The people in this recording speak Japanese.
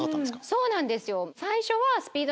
そうなんですよ。